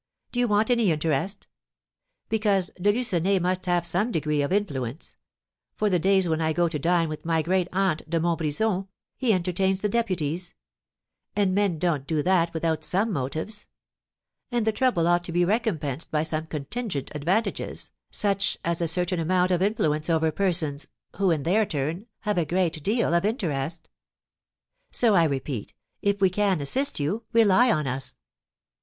Do you want any interest? Because De Lucenay must have some degree of influence; for, the days when I go to dine with my great aunt, De Montbrison, he entertains the deputies; and men don't do that without some motives; and the trouble ought to be recompensed by some contingent advantages, such as a certain amount of influence over persons, who, in their turn, have a great deal of interest. So, I repeat, if we can assist you, rely on us.